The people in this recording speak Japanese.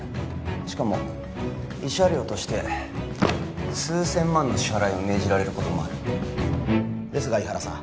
しかも慰謝料として数千万の支払いを命じられることもあるですが井原さん